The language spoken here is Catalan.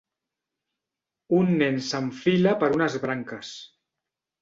Un nen s'enfila per unes branques.